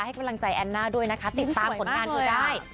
ให้กำลังใจแอนน่าด้วยนะคะติดตามผลงานเธอได้